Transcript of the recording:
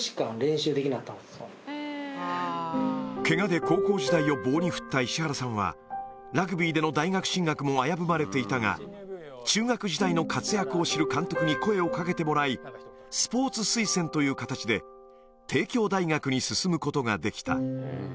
ケガで高校時代を棒に振った石原さんはラグビーでの大学進学も危ぶまれていたが中学時代の活躍を知る監督に声を掛けてもらいスポーツ推薦という形で帝京大学に進むことができた